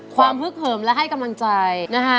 ฮึกเหิมและให้กำลังใจนะคะ